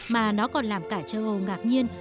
mà nó còn làm cả châu âu ngạc nhiên